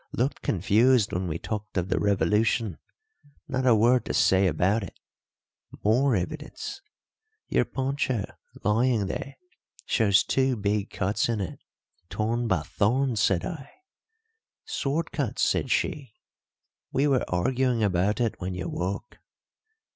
Looked confused when we talked of the revolution not a word to say about it. More evidence. Your poncho, lying there, shows two big cuts in it. 'Torn by thorns,' said I. 'Sword cuts,' said she. We were arguing about it when you woke."